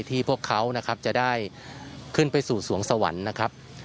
พวกเขานะครับจะได้ขึ้นไปสู่สวงสวรรค์นะครับ